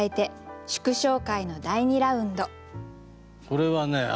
これはね